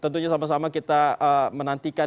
tentunya sama sama kita menantikan